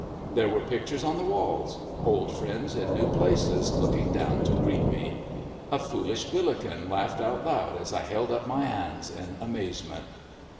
There were pictures on the walls old friends in new places, looking down to greet me. A foolish Billiken laughed out loud as I held up my hands in amazement.